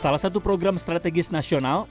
salah satu program strategis nasional